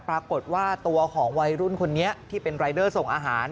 ปรากฏว่าตัวของวัยรุ่นคนนี้ที่เป็นรายเดอร์ส่งอาหาร